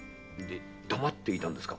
黙っていたんですか？